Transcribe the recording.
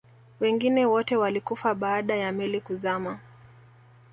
wengine wote walikufa baada ya meli kuzama